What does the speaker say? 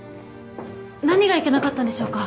何がいけなかったんでしょうか？